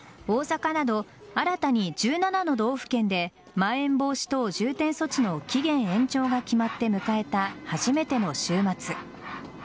大阪など新たに１７の道府県でまん延防止等重点措置の期限延長が決まって迎えた初めての週末。